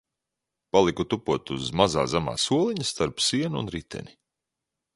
Paliku tupot uz mazā zemā soliņa starp sienu un riteni.